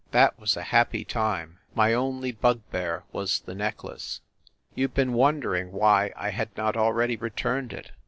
That was a happy time. ... My only bugbear was the necklace. You ve been wondering why I had not already returned it?